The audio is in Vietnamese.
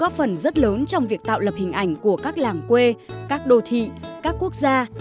góp phần rất lớn trong việc tạo lập hình ảnh của các làng quê các đô thị các quốc gia